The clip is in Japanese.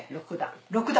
６段。